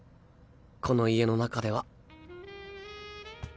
この家の中では。